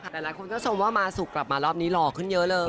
แต่หลายคนก็ชมว่ามาสุกกลับมารอบนี้หล่อขึ้นเยอะเลย